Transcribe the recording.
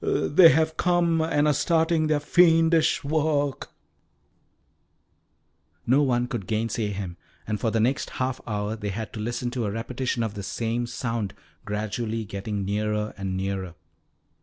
"They have come, and are starting their fiendish work." No one could gainsay him, and for the next half hour they had to listen to a repetition of the same sound gradually getting nearer and nearer.